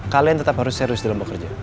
kalian tetap harus serius dalam bekerja